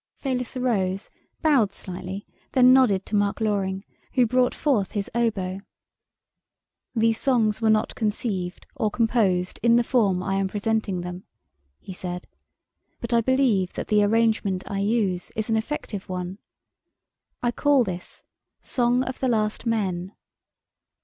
Fayliss arose, bowed slightly, then nodded to Mark Loring, who brought forth his oboe. "These songs were not conceived or composed in the form I am presenting them," he said. "But I believe that the arrangement I use is an effective one. "I call this, 'Song of the Last Men'."